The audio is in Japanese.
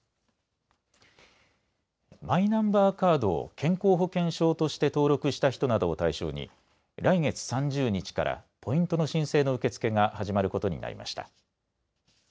マイナンバーカードを健康保険証として登録した人などを対象に来月３０日からポイントの申請の受け付けが始まることになりました。